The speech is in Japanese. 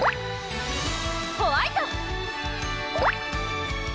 ホワイト！